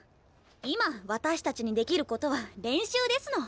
今私たちにできることは練習ですの！